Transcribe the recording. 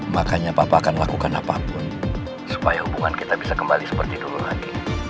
makanya bapak akan lakukan apapun supaya hubungan kita bisa kembali seperti dulu lagi